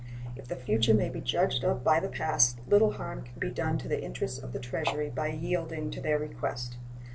If the future may be judged of by the past, little harm can be done to the interests of the Treasury by yielding to their request.